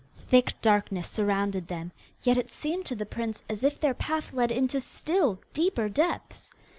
Thick darkness surrounded them, yet it seemed to the prince as if their path led into still deeper depths.